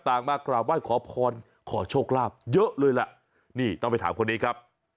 มากราบไหว้ขอพรขอโชคลาภเยอะเลยล่ะนี่ต้องไปถามคนนี้ครับ